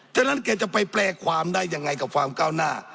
ฉะนั้นแกจะไปแปลความได้ยังไงกับความก้าวหน้า